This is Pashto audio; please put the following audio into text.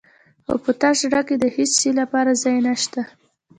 خو په تش زړه کې د هېڅ شي لپاره ځای نه شته.